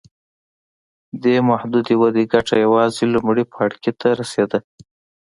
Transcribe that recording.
دې محدودې ودې ګټه یوازې لومړي پاړکي ته رسېده.